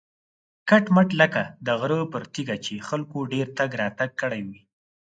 کټ مټ لکه د غره پر تیږه چې خلکو ډېر تګ راتګ کړی وي.